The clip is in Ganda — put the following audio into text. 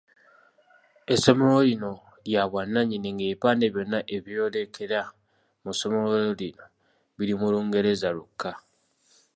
Essomero lino lya bwannanyini nga ebipande byonna ebyeyolekera mu ssomero lino biri mu Lungereza lwokka.